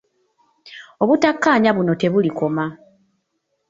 Obutakkaanya buno tebulikoma.